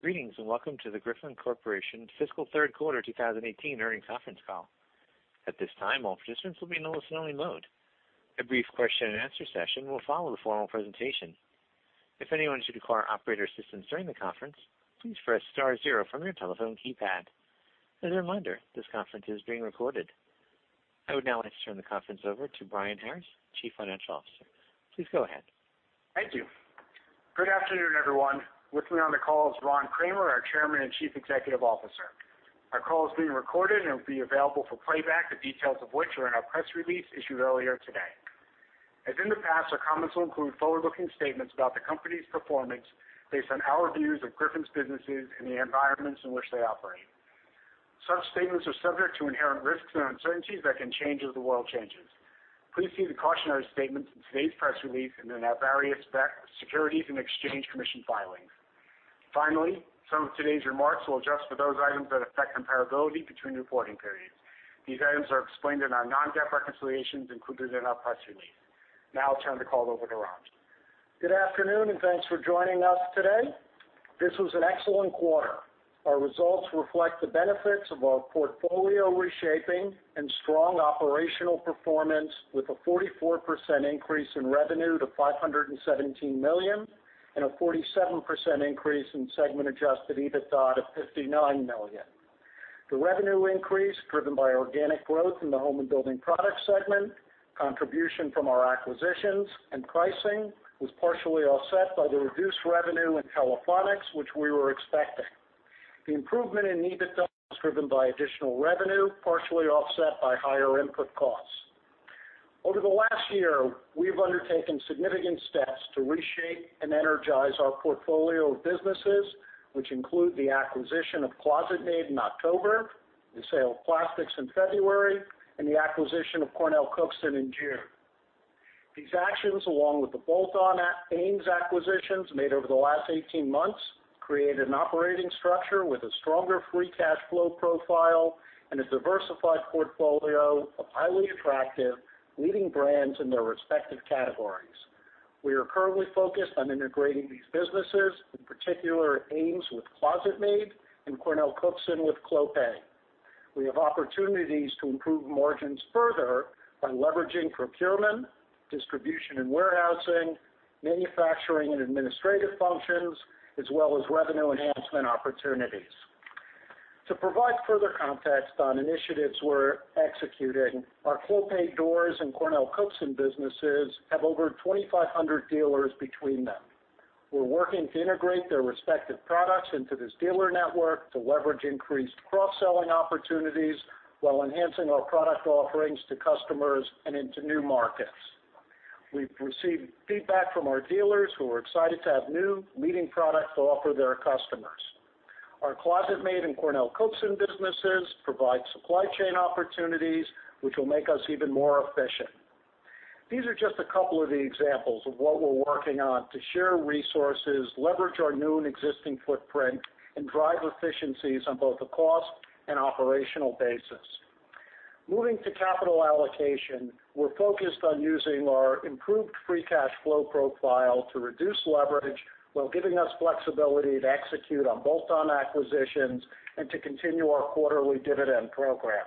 Greetings. Welcome to the Griffon Corporation Fiscal Third Quarter 2018 Earnings Conference Call. At this time, all participants will be in a listen-only mode. A brief question-and-answer session will follow the formal presentation. If anyone should require operator assistance during the conference, please press star zero from your telephone keypad. As a reminder, this conference is being recorded. I would now like to turn the conference over to Brian Harris, Chief Financial Officer. Please go ahead. Thank you. Good afternoon, everyone. With me on the call is Ron Kramer, our Chairman and Chief Executive Officer. Our call is being recorded and will be available for playback, the details of which are in our press release issued earlier today. As in the past, our comments will include forward-looking statements about the company's performance based on our views of Griffon's businesses and the environments in which they operate. Such statements are subject to inherent risks and uncertainties that can change as the world changes. Please see the cautionary statements in today's press release and in our various Securities and Exchange Commission filings. Finally, some of today's remarks will adjust for those items that affect comparability between reporting periods. These items are explained in our non-GAAP reconciliations included in our press release. I'll turn the call over to Ron. Good afternoon. Thanks for joining us today. This was an excellent quarter. Our results reflect the benefits of our portfolio reshaping and strong operational performance, with a 44% increase in revenue to $517 million and a 47% increase in segment adjusted EBITDA to $59 million. The revenue increase, driven by organic growth in the Home and Building Products segment, contribution from our acquisitions and pricing, was partially offset by the reduced revenue in Telephonics, which we were expecting. The improvement in EBITDA was driven by additional revenue, partially offset by higher input costs. Over the last year, we've undertaken significant steps to reshape and energize our portfolio of businesses, which include the acquisition of ClosetMaid in October, the sale of Plastics in February, and the acquisition of CornellCookson in June. These actions, along with the bolt-on AMES acquisitions made over the last 18 months, created an operating structure with a stronger free cash flow profile and a diversified portfolio of highly attractive leading brands in their respective categories. We are currently focused on integrating these businesses, in particular AMES with ClosetMaid and CornellCookson with Clopay. We have opportunities to improve margins further by leveraging procurement, distribution and warehousing, manufacturing and administrative functions, as well as revenue enhancement opportunities. To provide further context on initiatives we're executing, our Clopay doors and CornellCookson businesses have over 2,500 dealers between them. We're working to integrate their respective products into this dealer network to leverage increased cross-selling opportunities while enhancing our product offerings to customers and into new markets. We've received feedback from our dealers, who are excited to have new leading products to offer their customers. Our ClosetMaid and CornellCookson businesses provide supply chain opportunities, which will make us even more efficient. These are just a couple of the examples of what we're working on to share resources, leverage our new and existing footprint, and drive efficiencies on both a cost and operational basis. Moving to capital allocation, we're focused on using our improved free cash flow profile to reduce leverage while giving us flexibility to execute on bolt-on acquisitions and to continue our quarterly dividend program.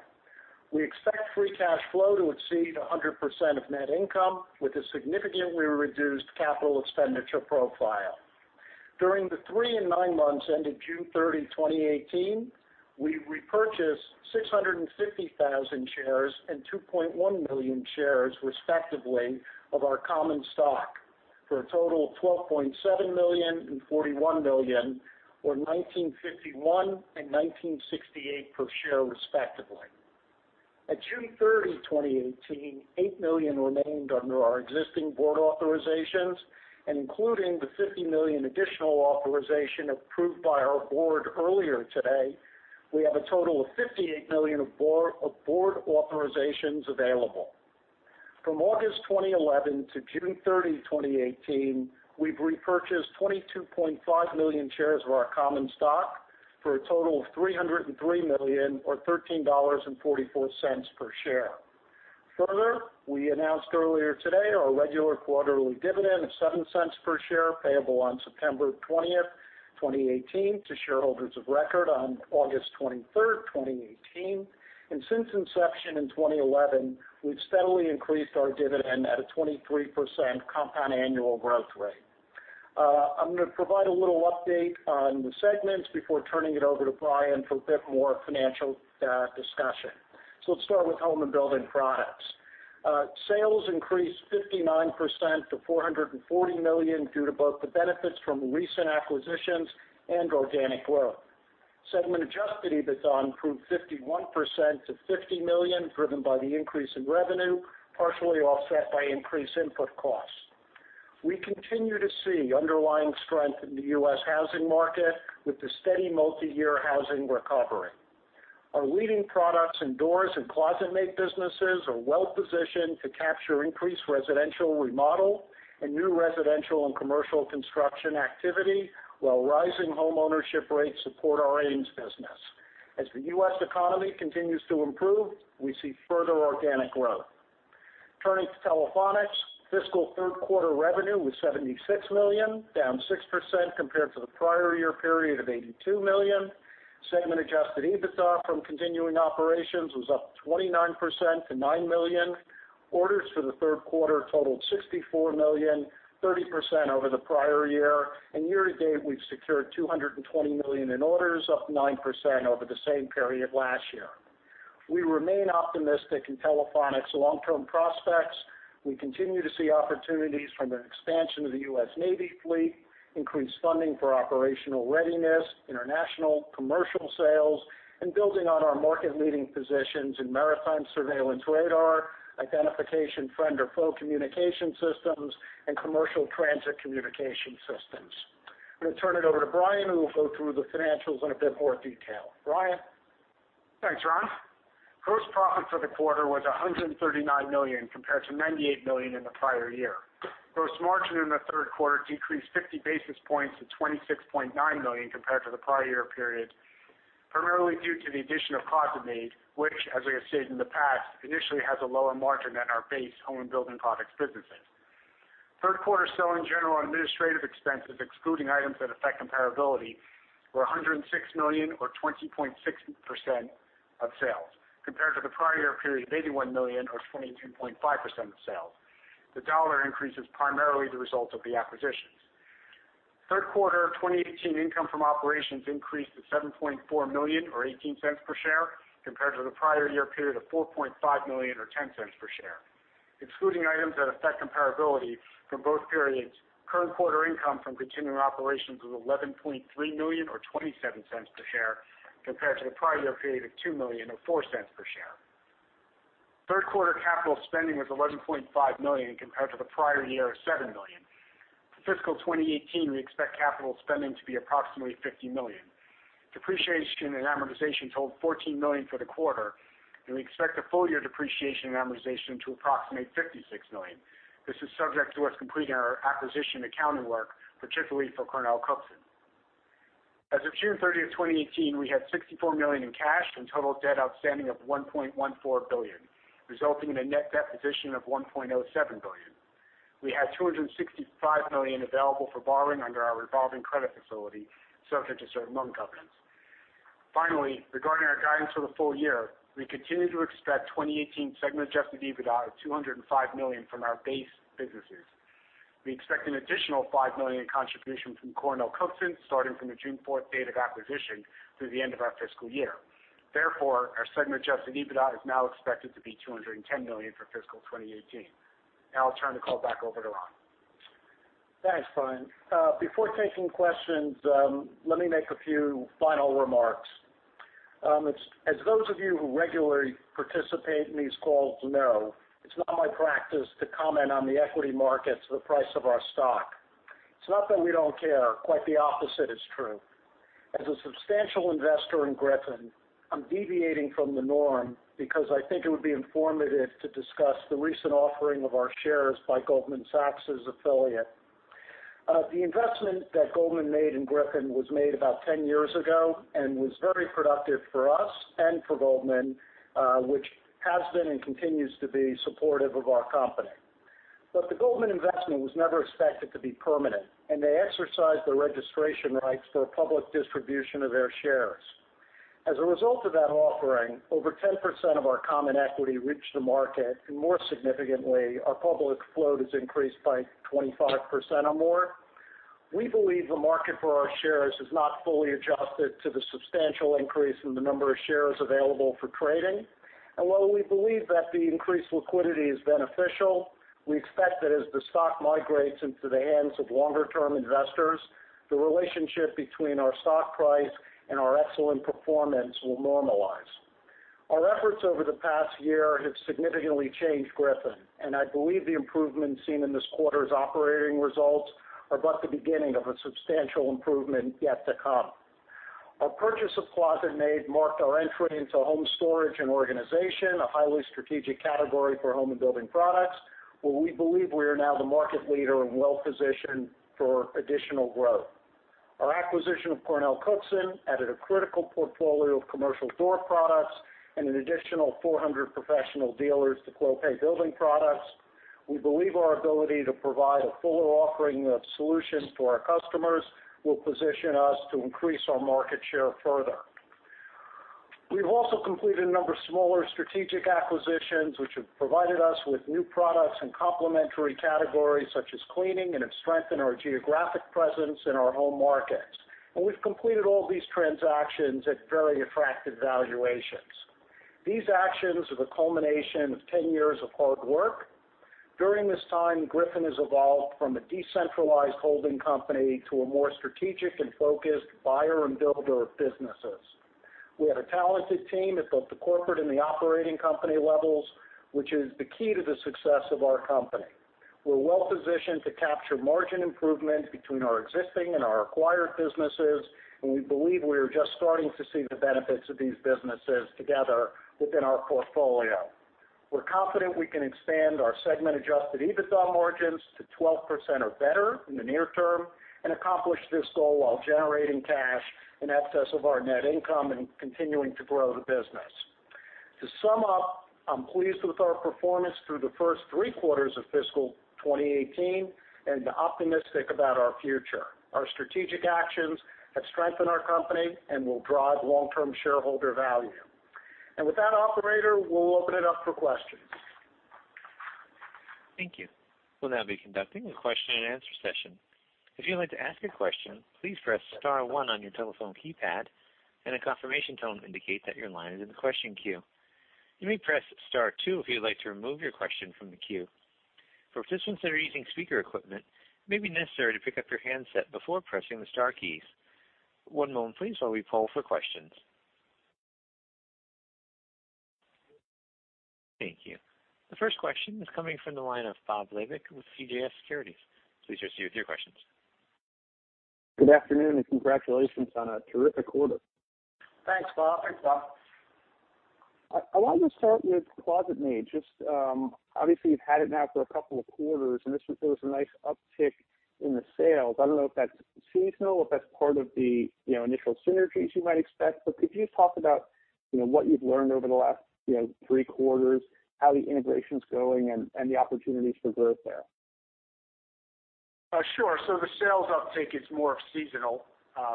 We expect free cash flow to exceed 100% of net income with a significantly reduced capital expenditure profile. During the three and nine months ended June 30, 2018, we repurchased 650,000 shares and 2.1 million shares, respectively, of our common stock, for a total of $12.7 million and $41 million, or $19.51 and $19.68 per share, respectively. At June 30, 2018, $8 million remained under our existing board authorizations, including the $50 million additional authorization approved by our board earlier today, we have a total of $58 million of board authorizations available. From August 2011 to June 30, 2018, we've repurchased 22.5 million shares of our common stock for a total of $303 million or $13.44 per share. Further, we announced earlier today our regular quarterly dividend of $0.07 per share, payable on September 20, 2018, to shareholders of record on August 23, 2018. Since inception in 2011, we've steadily increased our dividend at a 23% compound annual growth rate. I'm going to provide a little update on the segments before turning it over to Brian for a bit more financial discussion. Let's start with Home and Building Products. Sales increased 59% to $440 million due to both the benefits from recent acquisitions and organic growth. Segment adjusted EBITDA improved 51% to $50 million, driven by the increase in revenue, partially offset by increased input costs. We continue to see underlying strength in the U.S. housing market with the steady multi-year housing recovery. Our leading products in doors and ClosetMaid businesses are well positioned to capture increased residential remodel and new residential and commercial construction activity while rising homeownership rates support our AMES business. As the U.S. economy continues to improve, we see further organic growth. Turning to Telephonics, fiscal third quarter revenue was $76 million, down 6% compared to the prior year period of $82 million. Segment adjusted EBITDA from continuing operations was up 29% to $9 million. Orders for the third quarter totaled $64 million, 30% over the prior year. Year-to-date, we've secured $220 million in orders, up 9% over the same period last year. We remain optimistic in Telephonics' long-term prospects. We continue to see opportunities from an expansion of the U.S. Navy fleet, increased funding for operational readiness, international commercial sales, and building on our market-leading positions in maritime surveillance radar, identification friend or foe communication systems, and commercial transit communication systems. I'm going to turn it over to Brian, who will go through the financials in a bit more detail. Brian? Thanks, Ron. Gross profit for the quarter was $139 million compared to $98 million in the prior year. Gross margin in the third quarter decreased 50 basis points to $26.9 million compared to the prior year period, primarily due to the addition of ClosetMaid, which, as we have stated in the past, initially has a lower margin than our base Home and Building Products businesses. Third quarter selling general administrative expenses, excluding items that affect comparability, were $106 million or 20.6% of sales, compared to the prior year period of $81 million or 22.5% of sales. The dollar increase is primarily the result of the acquisitions. Third quarter of 2018 income from operations increased to $7.4 million or $0.18 per share, compared to the prior year period of $4.5 million or $0.10 per share. Excluding items that affect comparability from both periods, current quarter income from continuing operations was $11.3 million or $0.27 per share, compared to the prior year period of $2 million or $0.04 per share. Third quarter capital spending was $11.5 million compared to the prior year of $7 million. For fiscal 2018, we expect capital spending to be approximately $50 million. Depreciation and amortization totaled $14 million for the quarter, and we expect the full year depreciation and amortization to approximate $56 million. This is subject to us completing our acquisition accounting work, particularly for CornellCookson. As of June 30th, 2018, we had $64 million in cash and total debt outstanding of $1.14 billion, resulting in a net debt position of $1.07 billion. We had $265 million available for borrowing under our revolving credit facility, subject to certain loan covenants. Finally, regarding our guidance for the full year, we continue to expect 2018 segment adjusted EBITDA of $205 million from our base businesses. We expect an additional $5 million in contribution from CornellCookson, starting from the June 4th date of acquisition through the end of our fiscal year. Therefore, our segment adjusted EBITDA is now expected to be $210 million for fiscal 2018. I'll turn the call back over to Ron. Thanks, Brian. Before taking questions, let me make a few final remarks. As those of you who regularly participate in these calls know, it's not my practice to comment on the equity markets or the price of our stock. It's not that we don't care, quite the opposite is true. As a substantial investor in Griffon, I'm deviating from the norm because I think it would be informative to discuss the recent offering of our shares by Goldman Sachs' affiliate. The investment that Goldman made in Griffon was made about 10 years ago and was very productive for us and for Goldman, which has been and continues to be supportive of our company. The Goldman investment was never expected to be permanent, and they exercised their registration rights for a public distribution of their shares. As a result of that offering, over 10% of our common equity reached the market, more significantly, our public float has increased by 25% or more. We believe the market for our shares has not fully adjusted to the substantial increase in the number of shares available for trading. While we believe that the increased liquidity is beneficial, we expect that as the stock migrates into the hands of longer-term investors, the relationship between our stock price and our excellent performance will normalize. Our efforts over the past year have significantly changed Griffon, and I believe the improvements seen in this quarter's operating results are but the beginning of a substantial improvement yet to come. Our purchase of ClosetMaid marked our entry into Home and Building Products, a highly strategic category for Home and Building Products, where we believe we are now the market leader and well-positioned for additional growth. Our acquisition of CornellCookson added a critical portfolio of commercial door products and an additional 400 professional dealers to Clopay Building Products. We believe our ability to provide a fuller offering of solutions to our customers will position us to increase our market share further. We've also completed a number of smaller strategic acquisitions, which have provided us with new products and complementary categories such as cleaning, and have strengthened our geographic presence in our home markets. We've completed all these transactions at very attractive valuations. These actions are the culmination of 10 years of hard work. During this time, Griffon has evolved from a decentralized holding company to a more strategic and focused buyer and builder of businesses. We have a talented team at both the corporate and the operating company levels, which is the key to the success of our company. We're well-positioned to capture margin improvement between our existing and our acquired businesses, and we believe we are just starting to see the benefits of these businesses together within our portfolio. We're confident we can expand our segment adjusted EBITDA margins to 12% or better in the near term and accomplish this goal while generating cash in excess of our net income and continuing to grow the business. To sum up, I'm pleased with our performance through the first three quarters of fiscal 2018 and optimistic about our future. Our strategic actions have strengthened our company and will drive long-term shareholder value. With that, operator, we'll open it up for questions. Thank you. We'll now be conducting a question and answer session. If you'd like to ask a question, please press *1 on your telephone keypad, and a confirmation tone will indicate that your line is in the question queue. You may press *2 if you'd like to remove your question from the queue. For participants that are using speaker equipment, it may be necessary to pick up your handset before pressing the star keys. One moment please, while we poll for questions. Thank you. The first question is coming from the line of Robert Labick with CJS Securities. Please proceed with your questions. Good afternoon, and congratulations on a terrific quarter. Thanks, Bob. Thanks, Bob. I wanted to start with ClosetMaid. Obviously, you've had it now for a couple of quarters, and there was a nice uptick in the sales. I don't know if that's seasonal, or if that's part of the initial synergies you might expect, but could you talk about what you've learned over the last three quarters, how the integration's going, and the opportunities for growth there? Sure. The sales uptick is more seasonal.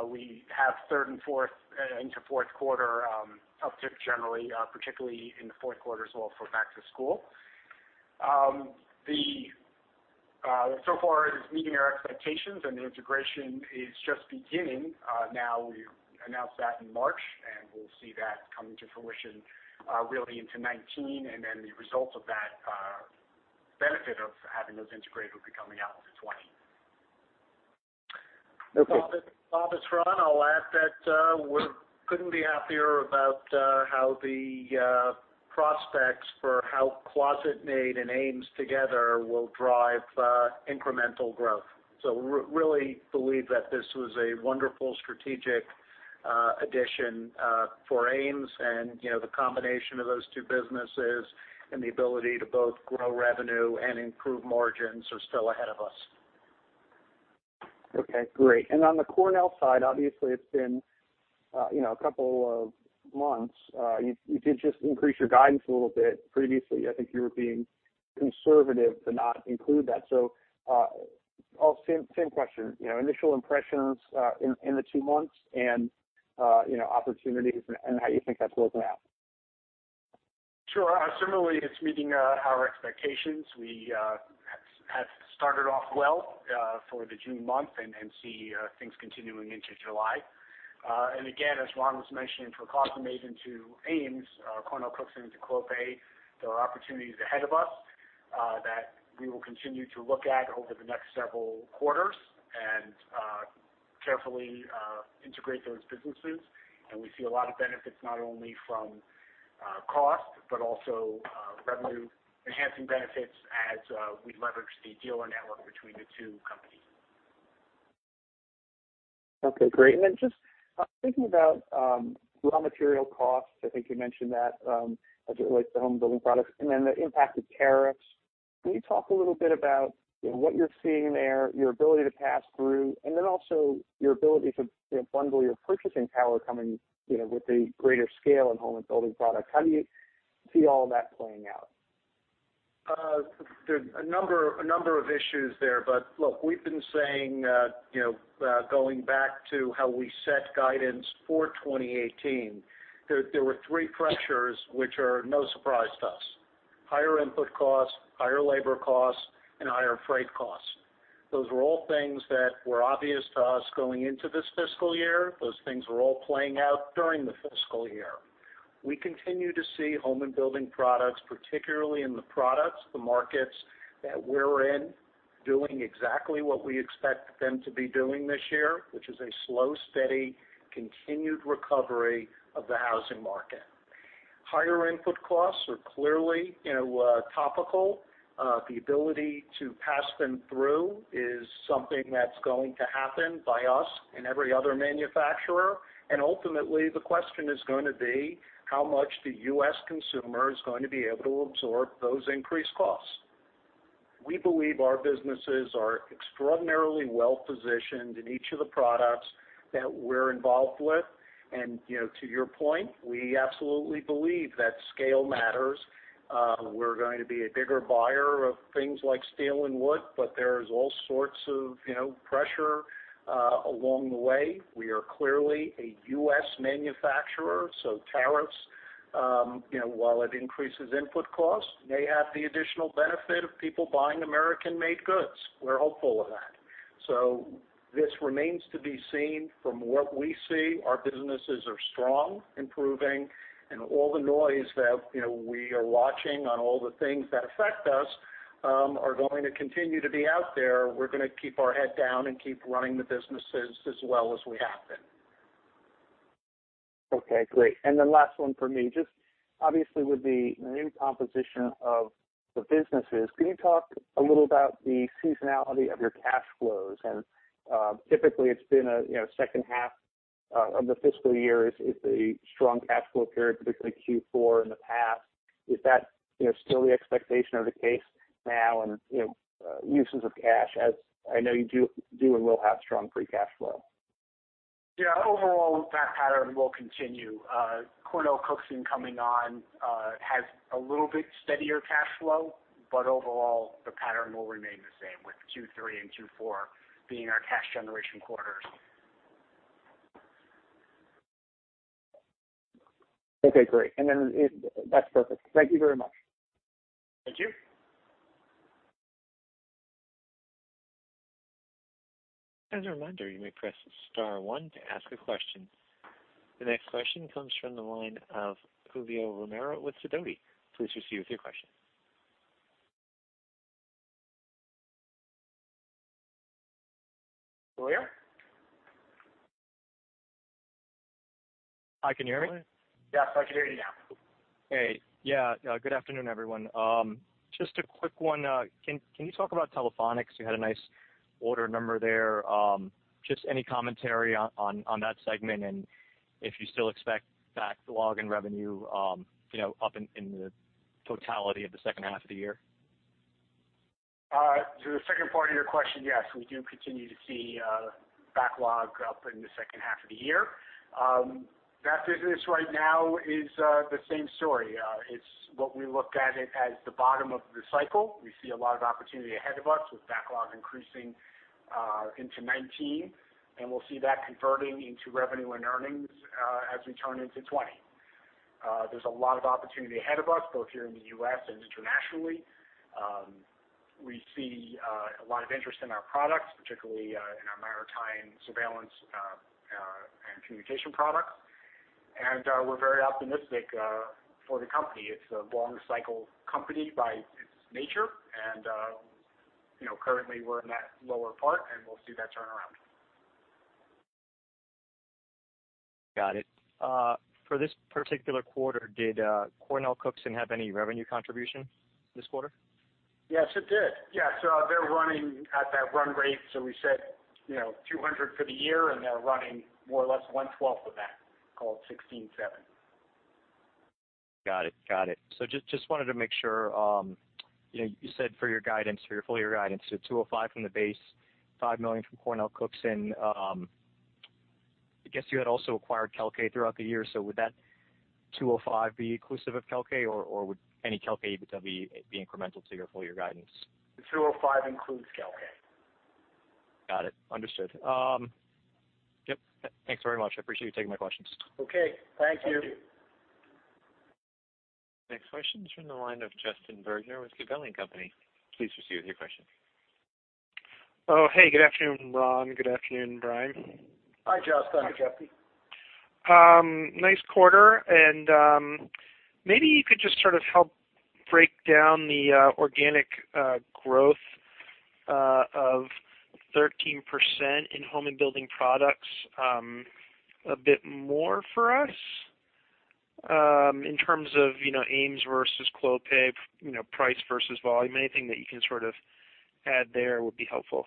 We have third into fourth quarter uptick generally, particularly in the fourth quarter as well for back to school. So far, it is meeting our expectations, and the integration is just beginning. We announced that in March, and we'll see that coming to fruition really into 2019, and the result of that benefit of having those integrated will be coming out into 2020. Okay. Bob, it's Ron. I'll add that we couldn't be happier about how the prospects for how ClosetMaid and AMES together will drive incremental growth. We really believe that this was a wonderful strategic addition for AMES and the combination of those two businesses and the ability to both grow revenue and improve margins are still ahead of us. Okay, great. On the Cornell side, obviously, it's been a couple of months. You did just increase your guidance a little bit. Previously, I think you were being conservative to not include that. Same question, initial impressions in the two months and opportunities and how you think that's working out. Sure. Similarly, it's meeting our expectations. We have started off well for the June month and see things continuing into July. Again, as Ron was mentioning for ClosetMaid into AMES, CornellCookson into Clopay, there are opportunities ahead of us that we will continue to look at over the next several quarters and carefully integrate those businesses. We see a lot of benefits not only from cost but also revenue-enhancing benefits as we leverage the dealer network between the two companies. Okay, great. Then just thinking about raw material costs, I think you mentioned that as it relates to Home and Building Products and then the impact of tariffs. Can you talk a little bit about what you're seeing there, your ability to pass through, and then also your ability to bundle your purchasing power coming with the greater scale in Home and Building Products? How do you see all that playing out? There's a number of issues there. Look, we've been saying, going back to how we set guidance for 2018, there were three pressures which are no surprise to us. Higher input costs, higher labor costs, and higher freight costs. Those were all things that were obvious to us going into this fiscal year. Those things were all playing out during the fiscal year. We continue to see Home and Building Products, particularly in the products, the markets that we're in, doing exactly what we expect them to be doing this year, which is a slow, steady, continued recovery of the housing market. Higher input costs are clearly topical. The ability to pass them through is something that's going to happen by us and every other manufacturer, and ultimately, the question is going to be how much the U.S. consumer is going to be able to absorb those increased costs. We believe our businesses are extraordinarily well-positioned in each of the products that we're involved with. To your point, we absolutely believe that scale matters. We're going to be a bigger buyer of things like steel and wood, but there's all sorts of pressure along the way. We are clearly a U.S. manufacturer, so tariffs, while it increases input costs, may have the additional benefit of people buying American-made goods. We're hopeful of that. This remains to be seen. From what we see, our businesses are strong, improving, and all the noise that we are watching on all the things that affect us are going to continue to be out there. We're going to keep our head down and keep running the businesses as well as we have been. Okay, great. Then last one from me. Just obviously with the new composition of the businesses, can you talk a little about the seasonality of your cash flows? Typically, it's been second half of the fiscal year is the strong cash flow period, particularly Q4 in the past. Is that still the expectation or the case now, and uses of cash as I know you do and will have strong free cash flow? Yeah. Overall, that pattern will continue. CornellCookson coming on has a little bit steadier cash flow, overall, the pattern will remain the same, with Q3 and Q4 being our cash generation quarters. Okay, great. That's perfect. Thank you very much. Thank you. As a reminder, you may press star one to ask a question. The next question comes from the line of Julio Romero with Sidoti. Please proceed with your question. Julio? Hi, can you hear me? Yes, I can hear you now. Hey. Yeah. Good afternoon, everyone. Just a quick one. Can you talk about Telephonics? You had a nice order number there. Just any commentary on that segment and if you still expect backlog and revenue up in the totality of the second half of the year? To the second part of your question, yes, we do continue to see backlog up in the second half of the year. That business right now is the same story. It's what we look at it as the bottom of the cycle. We see a lot of opportunity ahead of us with backlog increasing into 2019, and we'll see that converting into revenue and earnings as we turn into 2020. There's a lot of opportunity ahead of us, both here in the U.S. and internationally. We see a lot of interest in our products, particularly in our maritime surveillance and communication products. We're very optimistic for the company. It's a long-cycle company by its nature and currently we're in that lower part, and we'll see that turn around. Got it. For this particular quarter, did CornellCookson have any revenue contribution this quarter? Yes, it did. Yeah. They're running at that run rate. We said, $200 for the year, and they're running more or less one twelfth of that, call it $16.7. Got it. Just wanted to make sure. You said for your full-year guidance, 205 from the base, $5 million from CornellCookson. I guess you had also acquired Kelkay throughout the year. Would that 205 be inclusive of Kelkay, or would any Kelkay EBITDA be incremental to your full-year guidance? The 205 includes Kelkay. Got it. Understood. Yep. Thanks very much. I appreciate you taking my questions. Okay. Thank you. Thank you. Next question is from the line of Justin Bergner with Gabelli & Company. Please proceed with your question. Oh, hey. Good afternoon, Ron. Good afternoon, Brian. Hi, Justin. Hi, Justin. Nice quarter. Maybe you could just sort of help break down the organic growth of 13% in Home and Building Products a bit more for us, in terms of AMES versus Clopay, price versus volume. Anything that you can sort of add there would be helpful.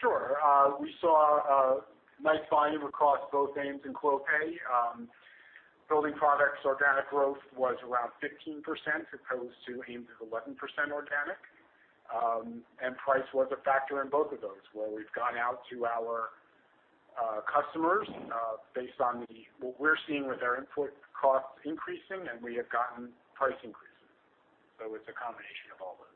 Sure. We saw a nice volume across both AMES and Clopay. Building Products organic growth was around 15%, as opposed to AMES' 11% organic. Price was a factor in both of those, where we've gone out to our customers based on what we're seeing with our input costs increasing, and we have gotten price increases. It's a combination of all those.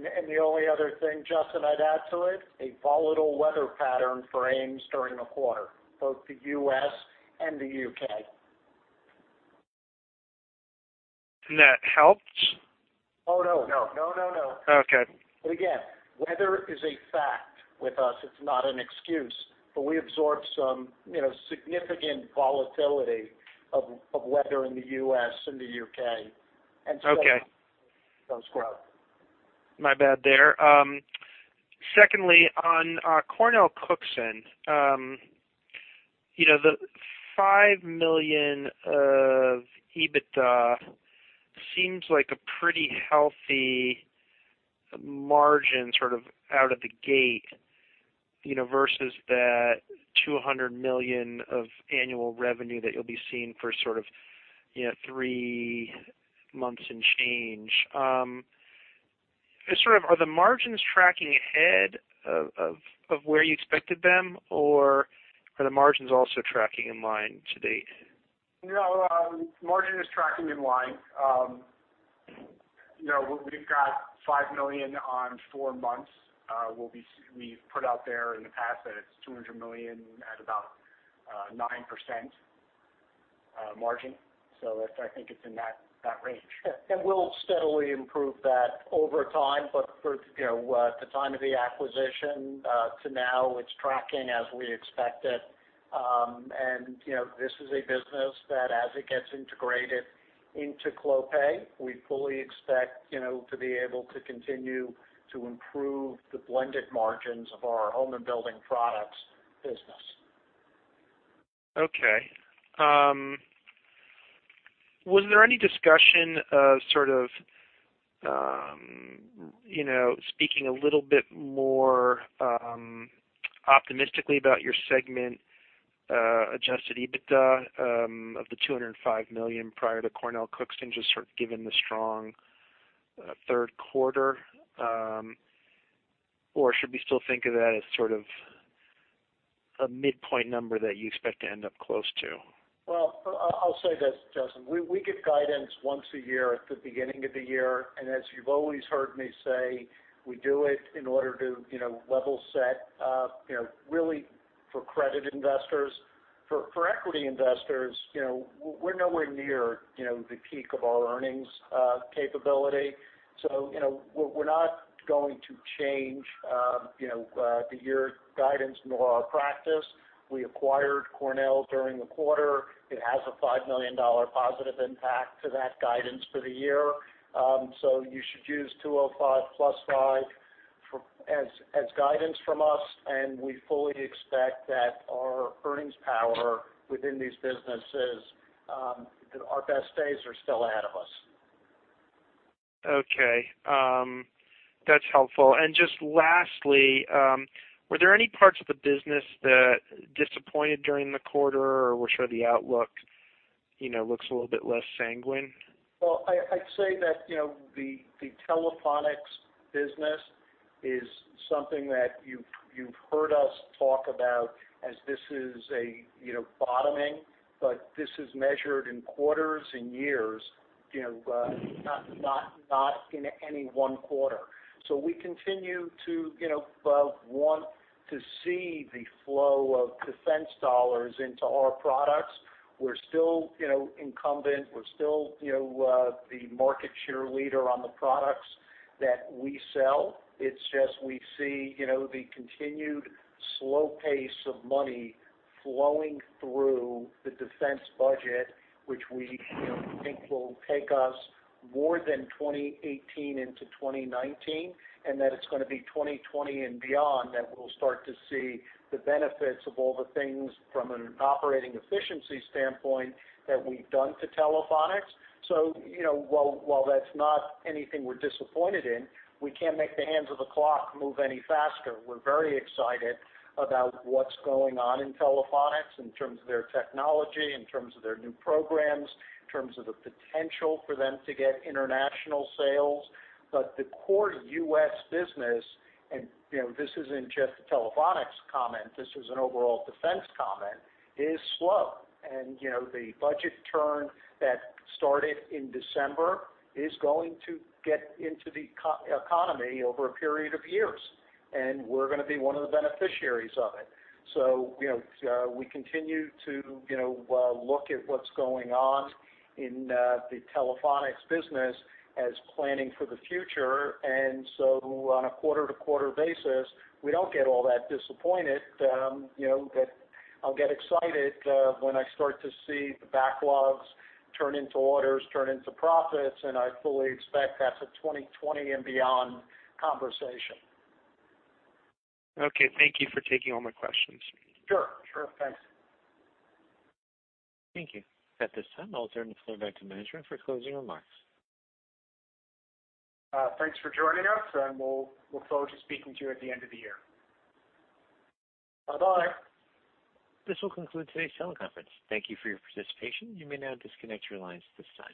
The only other thing, Justin, I'd add to it, a volatile weather pattern for AMES during the quarter, both the U.S. and the U.K. That helped? Oh, no. No. No. Again, weather is a fact with us. It's not an excuse, but we absorbed some significant volatility of weather in the U.S. and the U.K. Okay. It does grow. My bad there. Secondly, on CornellCookson. The $5 million of EBITDA seems like a pretty healthy margin sort of out of the gate, versus that $200 million of annual revenue that you'll be seeing for sort of three months and change. Are the margins tracking ahead of where you expected them, or are the margins also tracking in line to date? Margin is tracking in line. We've got $5 million on four months. We've put out there in the past that it's $200 million at about 9% margin. I think it's in that range. We'll steadily improve that over time. For the time of the acquisition to now, it's tracking as we expected. This is a business that as it gets integrated into Clopay, we fully expect to be able to continue to improve the blended margins of our Home and Building Products business. Okay. Was there any discussion of sort of speaking a little bit more optimistically about your segment Adjusted EBITDA of the $205 million prior to CornellCookson, just sort of given the strong third quarter. Should we still think of that as sort of a midpoint number that you expect to end up close to? Well, I'll say this, Justin. We give guidance once a year at the beginning of the year. As you've always heard me say, we do it in order to level set really for credit investors. For equity investors, we're nowhere near the peak of our earnings capability. We're not going to change the year guidance nor our practice. We acquired Cornell during the quarter. It has a $5 million positive impact to that guidance for the year. You should use $205 plus 5 as guidance from us. We fully expect that our earnings power within these businesses, that our best days are still ahead of us. Okay. That's helpful. Just lastly, were there any parts of the business that disappointed during the quarter or where sort of the outlook looks a little bit less sanguine? Well, I'd say that the Telephonics business is something that you've heard us talk about as this is a bottoming. This is measured in quarters and years, not in any one quarter. We continue to want to see the flow of defense dollars into our products. We're still incumbent. We're still the market share leader on the products that we sell. It's just we see the continued slow pace of money flowing through the defense budget, which we think will take us more than 2018 into 2019. It's going to be 2020 and beyond that we'll start to see the benefits of all the things from an operating efficiency standpoint that we've done to Telephonics. While that's not anything we're disappointed in, we can't make the hands of the clock move any faster. We're very excited about what's going on in Telephonics in terms of their technology, in terms of their new programs, in terms of the potential for them to get international sales. The core U.S. business, and this isn't just a Telephonics comment, this is an overall defense comment, is slow. The budget turn that started in December is going to get into the economy over a period of years. We're going to be one of the beneficiaries of it. We continue to look at what's going on in the Telephonics business as planning for the future. On a quarter-to-quarter basis, we don't get all that disappointed. I'll get excited when I start to see the backlogs turn into orders, turn into profits. I fully expect that's a 2020 and beyond conversation. Okay. Thank you for taking all my questions. Sure. Thanks. Thank you. At this time, I'll turn the floor back to management for closing remarks. Thanks for joining us, and we'll look forward to speaking to you at the end of the year. Bye-bye. This will conclude today's teleconference. Thank you for your participation. You may now disconnect your lines at this time.